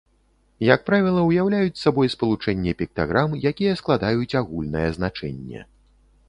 Як правіла, уяўляюць сабой спалучэнне піктаграм, якія складаюць агульнае значэнне.